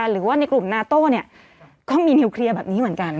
หรือว่าในกลุ่มนาโต้ก็มีนิวเคลียร์แบบนี้เหมือนกัน